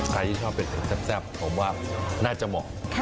ใครที่ชอบเป็ดแซ่บผมว่าน่าจะเหมาะ